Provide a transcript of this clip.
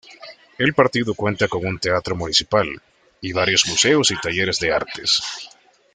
El Partido cuenta con un teatro municipal, y varios museos y talleres de artes.